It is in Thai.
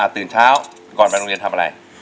ตื่นเช้าก่อนไปโรงเรียนทำอะไร